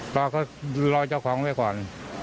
ตอนนี้เขาลอยเจ้าของไว้ก่อน